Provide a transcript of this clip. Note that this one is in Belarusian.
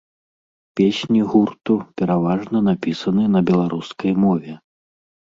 Песні гурту пераважна напісаны на беларускай мове.